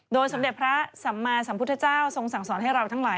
สมเด็จพระสัมมาสัมพุทธเจ้าทรงสั่งสอนให้เราทั้งหลาย